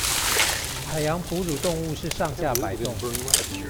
海洋哺乳動物是上下擺動